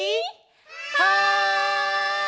はい！